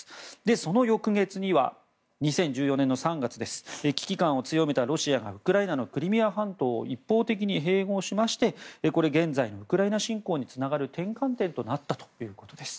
その翌月には２０１４年の３月危機感を強めたロシアがウクライナのクリミア半島を一方的に併合しましてこれ、現在のウクライナ侵攻につながる転換点となったということです。